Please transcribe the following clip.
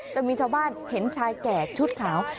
จะมีชาวบ้านเห็นชายแก่ชุดขาว